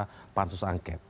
seperti nuansa pansus angket